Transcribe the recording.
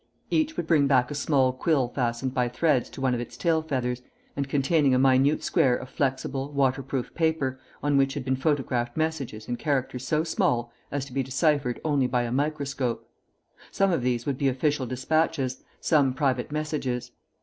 Each would bring back a small quill fastened by threads to one of its tail feathers and containing a minute square of flexible, waterproof paper, on which had been photographed messages in characters so small as to be deciphered only by a microscope. Some of these would be official despatches, some private messages.